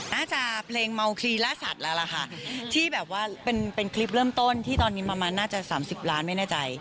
น่าจะเพลงเมาคลีล่าสัตว์แล้วล่ะค่ะที่แบบว่าเป็นคลิปเริ่มต้นที่ตอนนี้ประมาณน่าจะ๓๐ล้านไม่แน่ใจ